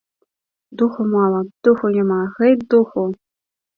Духу мала, духу няма, гэй духу!